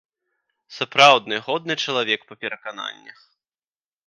Сапраўдны годны чалавек па перакананнях.